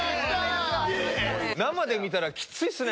生で見たらキツイっすね。